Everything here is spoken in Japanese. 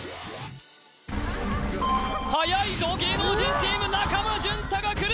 はやいぞ芸能人チーム中間淳太がくる！